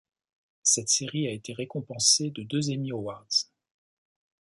Cette série a été récompensée de deux Emmy Awards.